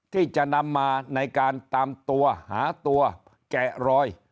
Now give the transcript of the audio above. ที่จะนำมาในการตามตัวหาตัวแกะรอย